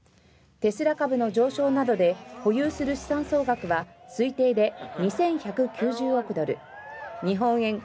テスラ株の上昇などで保有する資産総額は推定で２１９０億ドル日本円